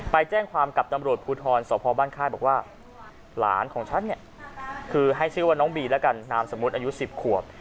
ไปแจ้งความกับตำรวจภูทรสพบ้านค่ายบอกว่าหลานของฉันเนี่ยคือให้ชื่อว่าน้องบีแล้วกันนามสมมุติอายุ๑๐ขวบ